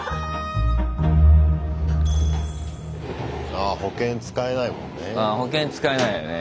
あ保険使えないもんね。